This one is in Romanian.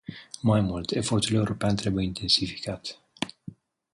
Mai mult, efortul european trebuie intensificat.